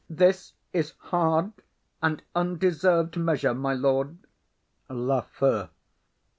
This is hard and undeserved measure, my lord. LAFEW.